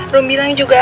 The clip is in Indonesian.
rum bilang juga apa